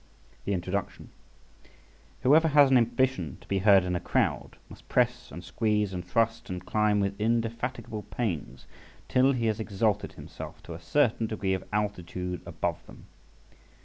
THE INTRODUCTION. WHOEVER has an ambition to be heard in a crowd must press, and squeeze, and thrust, and climb with indefatigable pains, till he has exalted himself to a certain degree of altitude above them.